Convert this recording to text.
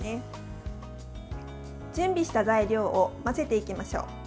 準備した材料を混ぜていきましょう。